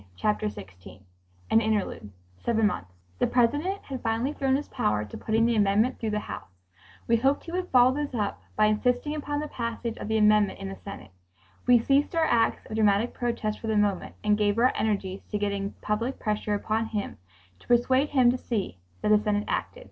Chapter 16 An Interlude (Seven Months) The President had finally thrown his power to putting the amendment through the House. We hoped he would follow this up by insisting upon the passage of the amendment in the Senate. We ceased our acts of dramatic protest for the moment and gave our energies to getting public pressure upon him, to persuade him to see that the Senate acted.